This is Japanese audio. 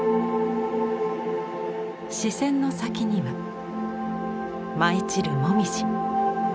視線の先には舞い散る紅葉。